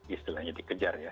istilahnya dikejar ya